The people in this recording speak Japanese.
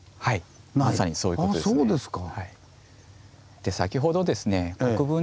そうですか。